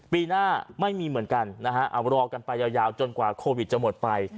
ปีหน้าไม่มีเหมือนกันนะฮะเอารอกันไปยาวจนกว่าโควิดจะหมดไป